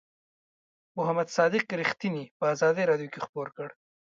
محمد صادق رښتیني په آزادۍ رادیو کې خپور کړ.